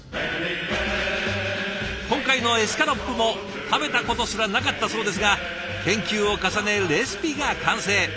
今回のエスカロップも食べたことすらなかったそうですが研究を重ねレシピが完成。